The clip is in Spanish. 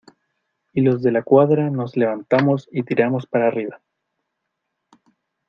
y los De la Cuadra nos levantamos y tiramos para arriba.